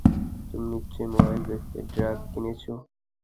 তুমি নিশ্চই মোবাইল বেঁচে ড্রাগ কিনেছ।